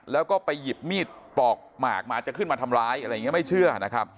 แล้วก็ไปหยิบมีดปลอกหมากมาจะขึ้นมาทำร้ายอะไรอย่างนี้ไม่เชื่อนะครับ